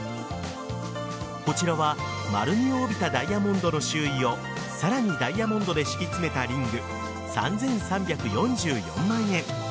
こちらは、丸みを帯びたダイヤモンドの周囲をさらにダイヤモンドで敷き詰めたリング３３４４万円。